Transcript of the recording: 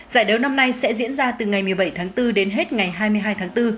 giải đấu năm nay sẽ diễn ra từ ngày một mươi bảy tháng bốn đến hết ngày hai mươi hai tháng bốn